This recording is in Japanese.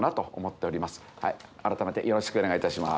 改めてよろしくお願いいたします。